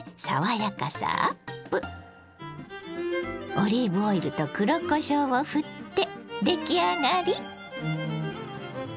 オリーブオイルと黒こしょうをふって出来上がり。